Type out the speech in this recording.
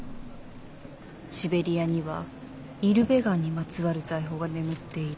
シベリアにはイルベガンにまつわる財宝が眠っている。